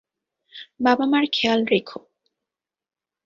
বাবা-মার খেয়াল রেখো।